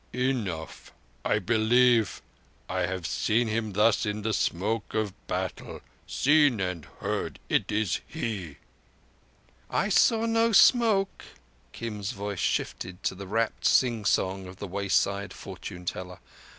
'" "Enough. I believe. I have seen Him thus in the smoke of battles. Seen and heard. It is He!" "I saw no smoke"—Kim's voice shifted to the rapt sing song of the wayside fortune teller.